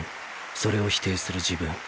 それを否定する自分。